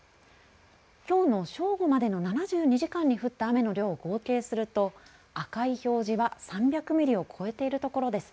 きょうの正午までの７２時間に降った雨の量を合計すると赤い表示は３００ミリを超えているところです。